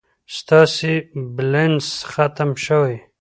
ستاسي بلينس ختم شوي